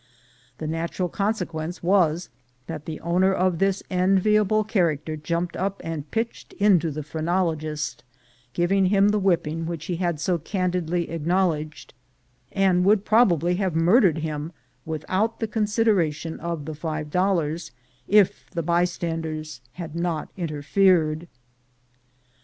The natural consequence was that the owner of this enviable character jumped up and pitched into the phrenologist, giving him the whipping which he had so candidly acknowledged, and would probably have murdered him without the consideration of the five dollars, if the bystanders had not interfered.